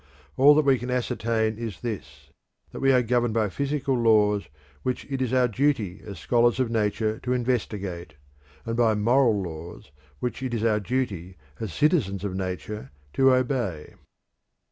All that we can ascertain is this: that we are governed by physical laws which it is our duty as scholars of Nature to investigate, and by moral laws which it is our duty as citizens of Nature to obey.